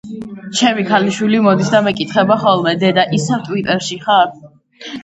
ჩემი ქალიშვილი მოდის და მეკითხება ხოლმე, დედა ისევ ტვიტერში ხარ?